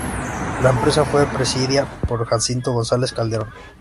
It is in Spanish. La empresa fue presidida por Jacinto González Calderón.